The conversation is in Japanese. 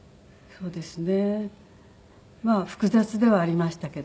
そうですね。